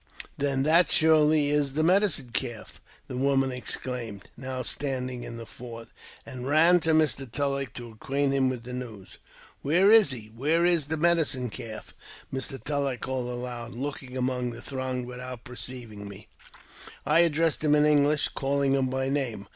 " Then that surely is the Medicine Calf," the woman ex claimed, " now standing in the fort !" and ran to Mr. Tulleck to acquaint him with the news. " Where is he ? Where is the Medicine Calf ?" Mr. Tulleck called aloud, and looking among the throng without perceiving me. " I addressed him in English, calling him by name.